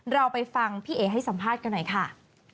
เราไปฟังพี่เอ๋ให้สัมภาษณ์กันหน่อยค่ะ